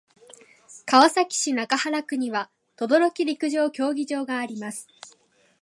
川崎市中原区には等々力陸上競技場があります。